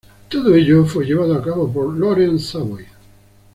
Todo ello fue llevado a cabo por Lauren Savoy.